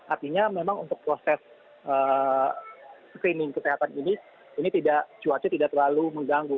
artinya memang untuk proses screening kesehatan ini cuaca tidak terlalu mengganggu